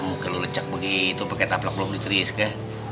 muka lo lecak begitu pakai taplak belum dikeris ke